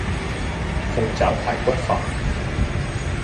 鳳爪排骨飯